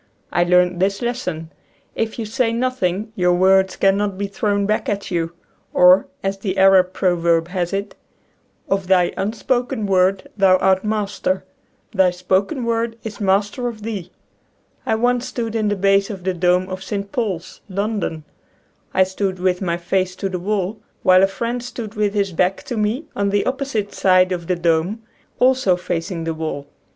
I learned this lesson: If you say nothing your words cannot bo thrown back at you. Or, as the Arab proverb has it :" Of thy unspoken word thou art master; thy spoken word is master of thee." I once stood in the base of the dome of St. Paul's, London. I stood with my face to the wall while a friend stood with his back to me on the opposite side of the dome, also facing the wall.